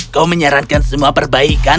kau menyarankan semua perbaikan